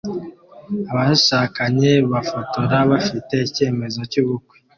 abashakanye bafotora bafite icyemezo cyubukwe